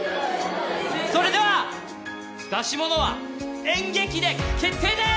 それでは出し物は演劇で決定でーす！